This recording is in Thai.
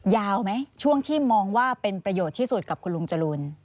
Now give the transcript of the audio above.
ยาวไหมช่วงที่มองว่าเป็นประโยชน์ที่สุดกับคุณลุงจรูน